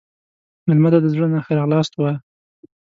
مېلمه ته د زړه نه ښه راغلاست ووایه.